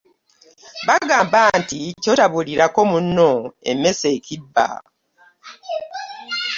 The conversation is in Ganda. Bagamba ky'otabuulirako munno emmese ekibba.